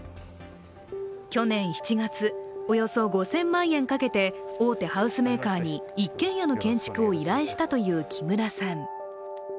去年７月、およそ５０００万円かけて大手ハウスメーカーに一軒家の建築を依頼したという木村さん。